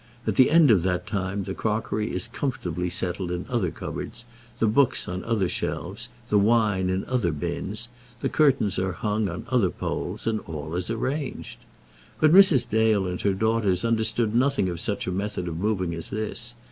At the end of that time the crockery is comfortably settled in other cupboards, the books on other shelves, the wine in other bins, the curtains are hung on other poles, and all is arranged. But Mrs. Dale and her daughters understood nothing of such a method of moving as this.